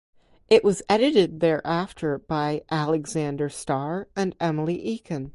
It was edited thereafter by Alexander Star and Emily Eakin.